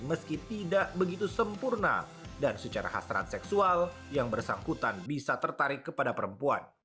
meski tidak begitu sempurna dan secara hasrat seksual yang bersangkutan bisa tertarik kepada perempuan